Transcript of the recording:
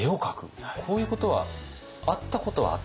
こういうことはあったことはあった？